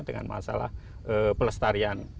dengan masalah pelestarian